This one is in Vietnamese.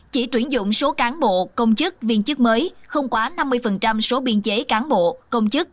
chỉ tuyển dụng số cán bộ công chức viên chức mới không quá năm mươi số biên chế cán bộ công chức